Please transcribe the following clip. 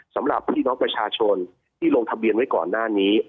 สำหรับพี่น้องประชาชนที่ลงทะเบียนไว้ก่อนหน้านี้